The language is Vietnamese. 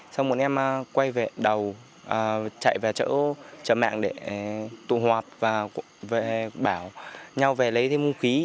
xong một em quay về đầu chạy vào chợ mạng để tụ họp và bảo nhau về lấy thêm mũ khí